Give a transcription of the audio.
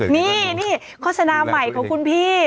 นี่นี่ข้อสนามใหม่ของคุณพี่